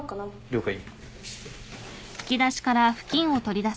了解。